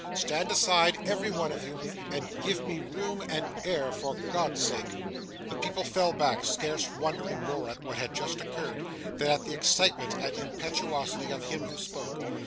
Stand aside, every one of you, and give me room and air for God's sake!' The people fell back, scarce wondering more at what had just occurred, than at the excitement and impetuosity of him who spoke.